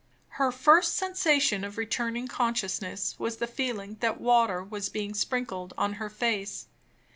Her first sensation of returning consciousness was the feeling that water was being sprinkled on her face.